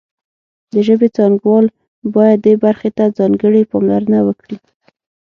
د ژبې څانګوال باید دې برخې ته ځانګړې پاملرنه وکړي